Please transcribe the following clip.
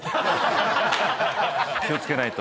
気を付けないと。